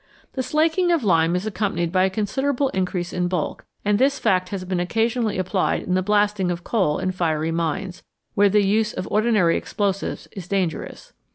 The slaking of lime is accompanied by a consider able increase in bulk, and this fact has been occasion ally applied in the blasting of coal in fiery mines, where the use of ordinary explosives is dangerous.